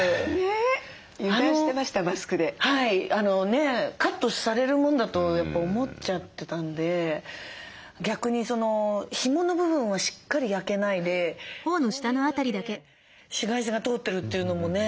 ねえカットされるもんだとやっぱ思っちゃってたんで逆にひもの部分はしっかり焼けないでこの辺だけ紫外線が通ってるというのもね。